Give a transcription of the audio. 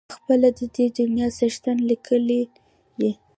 پخپله د دې دنیا څښتن لیکلی دی.